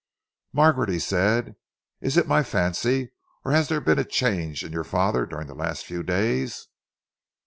"Margaret," he said, "is it my fancy or has there been a change in your father during the last few days?"